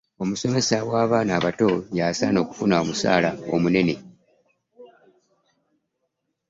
Omusomesa w'abaana abato y'asaana okufuna omusaala omunene.